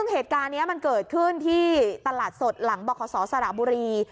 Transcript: เหตุการณ์นี้มันเกิดขึ้นที่ตลาดสดหลังบขสระบุรี